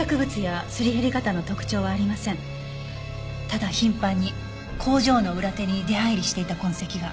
ただ頻繁に工場の裏手に出入りしていた痕跡が。